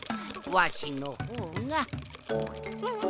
わしのほうがん